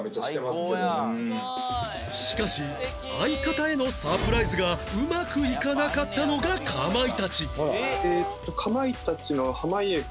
しかし相方へのサプライズがうまくいかなかったのがかまいたち